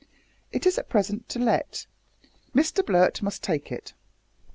It is at present to let. Mr Blurt must take it.